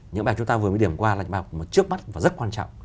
những bài học chúng ta vừa mới điểm qua là những bài học trước mắt và rất quan trọng